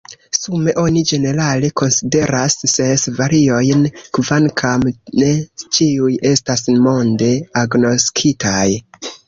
Sume oni ĝenerale konsideras ses variojn, kvankam ne ĉiuj estas monde agnoskitaj.